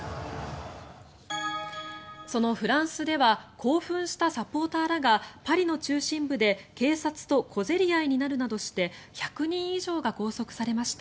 そのフランスでは興奮したサポーターらがパリの中心部で警察と小競り合いになるなどして１００人以上が拘束されました。